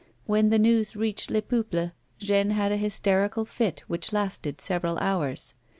When the news reached Les Peuples, Jeanne had a hysterical fit which lasted several hours.